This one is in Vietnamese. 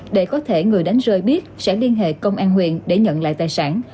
để có thể người đánh rơi biết sẽ liên hệ công an huyện để nhận lại tài sản